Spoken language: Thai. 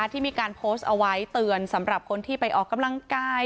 ที่มีการโพสต์เอาไว้เตือนสำหรับคนที่ไปออกกำลังกาย